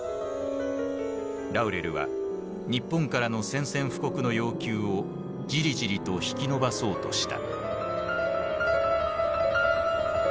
ラウレルは日本からの宣戦布告の要求をじりじりと引き延ばそうとした。